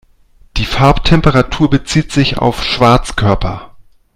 Die Farbtemperatur bezieht sich auf Schwarzkörper.